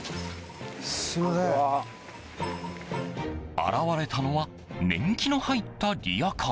現れたのは年季の入ったリヤカー。